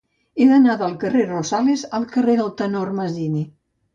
He d'anar del carrer de Rosales al carrer del Tenor Masini.